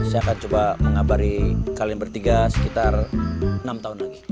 saya akan coba mengabari kalian bertiga sekitar enam tahun lagi